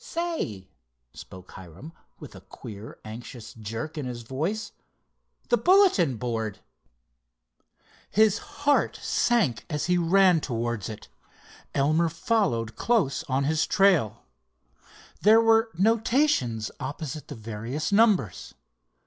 "Say," spoke Hiram, with a queer anxious jerk in his voice—"the bulletin board!" His heart sank as he ran towards it. Elmer followed close on his trail. There were notations opposite the various numbers.